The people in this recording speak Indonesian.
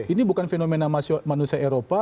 ini bukan fenomena manusia eropa